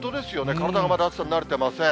体がまだ暑さに慣れてません。